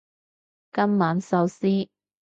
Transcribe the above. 今晚壽司